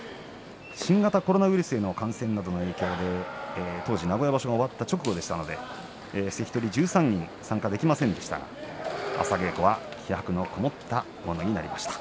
新型コロナウイルスの感染などの影響で当時、名古屋場所が終わった直後でしたので関取１３人が参加できませんでしたが朝稽古は気迫のこもったものになりました。